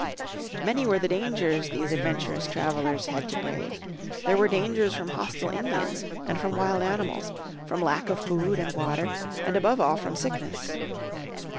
Many were the dangers these adventurous travelers had to brave. There were dangers from hostile Indians, and from wild animals, from lack of food and water, and above all from sickness.